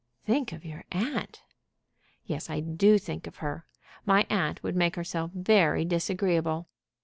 "Think of your aunt." "Yes; I do think of her. My aunt would make herself very disagreeable.